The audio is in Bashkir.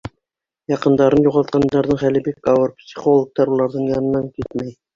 Яҡындарын юғалтҡандарҙың хәле бик ауыр, психологтар уларҙың янынан китмәй.